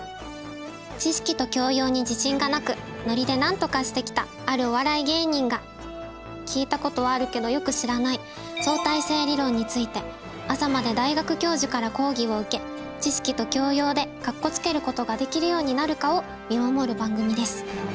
知識と教養に自信がなくノリでなんとかしてきたあるお笑い芸人が聞いたことはあるけどよく知らない相対性理論について朝まで大学教授から講義を受け知識と教養でカッコつけることができるようになるかを見守る番組です。